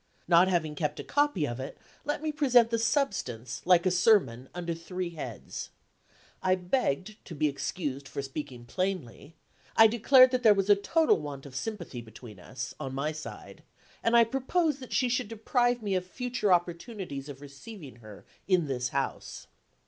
Not having kept a copy of it, let me present the substance, like a sermon, under three heads: I begged to be excused for speaking plainly; I declared that there was a total want of sympathy between us, on my side; and I proposed that she should deprive me of future opportunities of receiving her in this house.